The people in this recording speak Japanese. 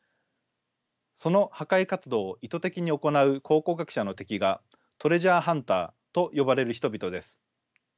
その破壊活動を意図的に行う考古学者の敵がトレジャーハンターと呼ばれる人々です。